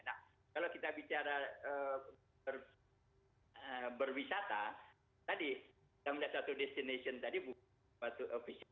nah kalau kita bicara berwisata tadi kita punya satu destination tadi bukit batu